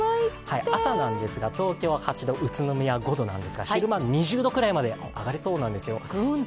朝なんですが、東京、宇都宮、５度なんですが昼間２０度くらいまで上がりそうなんですよ。